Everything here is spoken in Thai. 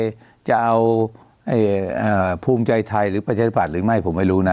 จะเอาภูมิใจไทยหรือประชาธิบัตย์หรือไม่ผมไม่รู้นะ